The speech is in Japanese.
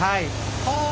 はあ。